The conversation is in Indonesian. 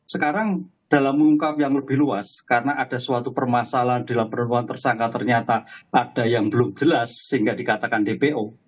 sekarang dalam mengungkap yang lebih luas karena ada suatu permasalahan di laporan tersangka ternyata ada yang belum jelas sehingga dikatakan dpo